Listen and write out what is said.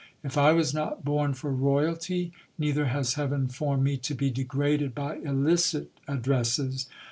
If I was not born for royalty, neither has heaven formed me to be degraded by illicit addresses.